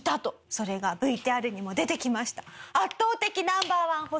それがＶＴＲにも出てきました。